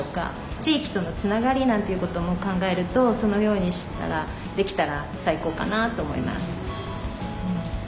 地域とのつながりなんていうことも考えるとそのようにしたらできたら最高かなと思います。